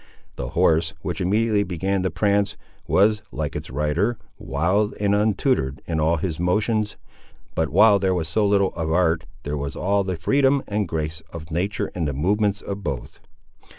The horse, which immediately began to prance, was, like its rider, wild and untutored in all his motions, but while there was so little of art, there was all the freedom and grace of nature in the movements of both.